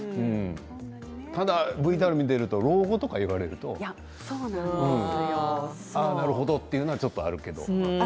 ただＶＴＲ見ていると老後とか言われるとなるほど、というのはちょっとあるけどね。